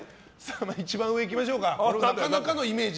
一番上いきましょうか。